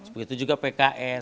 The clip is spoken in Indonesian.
begitu juga pks